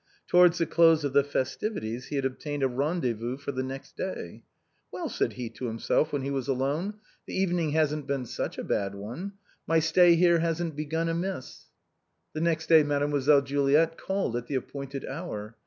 Towards the close of the festivities he had obtained a rendezvous for the next day. " Well !" said he to himself when he was alone, " the KOMEO AND JULIET, 299 evening hasn't been such a bad one. My stay here hasn't begun amiss." The next day Mademoiselle Juliet called at the ap pointed hour.